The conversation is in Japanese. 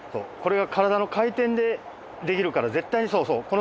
これが体の回転でできるから絶対にそうそう。